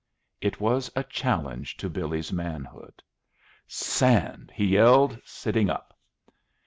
It was a challenge to Billy's manhood. "Sand!" he yelled, sitting up.